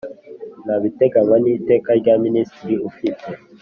ntabiteganywa n ‘iteka rya Minisitiri ufite.